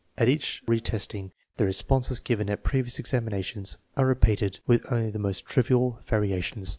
At each re testing the responses given at previous examinations are repeated with only the most trivial variations.